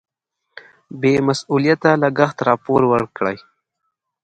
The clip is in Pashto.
بې مسؤلیته لګښت راپور ورکړي.